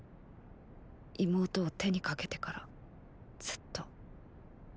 妹を手にかけてからずっと。